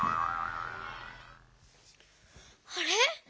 あれ？